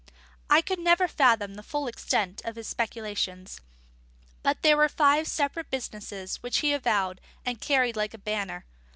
I could never fathom the full extent of his speculations; but there were five separate businesses which he avowed and carried like a banner.